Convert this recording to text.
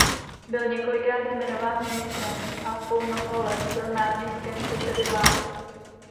Byl několikrát jmenován ministrem a po mnoho let byl náměstkem předsedy vlády.